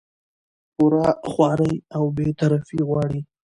پوره خواري او بې طرفي غواړي